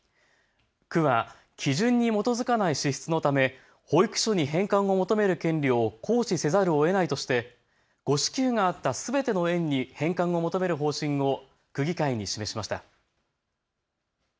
区は基準に基づかない支出のため保育所に返還を求める権利を行使せざるをえないとして誤支給があったすべての園に返還を求める方針を区議会に示しました。